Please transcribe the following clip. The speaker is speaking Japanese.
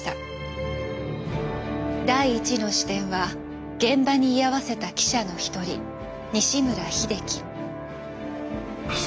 第１の視点は現場に居合わせた記者の一人西村秀樹。